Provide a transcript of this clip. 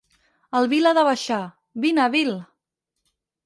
El Bill ha de baixar. Vine, Bill!